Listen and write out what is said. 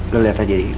lo lihat aja di situ